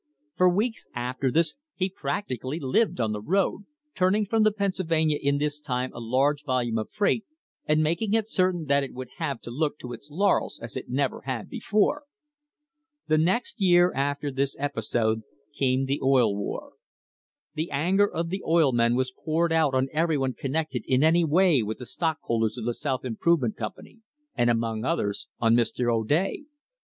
For weeks after this he practically lived on the road, turning from the Pennsylvania in this time a large vol ume of freight, and making it certain that it would have to look to its laurels as it never had before. The next year after this episode came the Oil War. The anger of the oil men was poured out on everyone connected in any way with the stockholders of the South Improvement Company, and among others on Mr. O'Day.